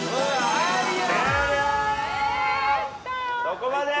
そこまで。